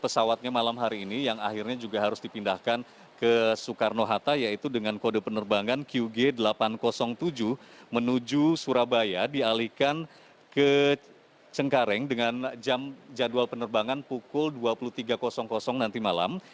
pesawatnya malam hari ini yang akhirnya juga harus dipindahkan ke soekarno hatta yaitu dengan kode penerbangan qg delapan ratus tujuh menuju surabaya dialihkan ke cengkareng dengan jam jadwal penerbangan pukul dua puluh tiga nanti malam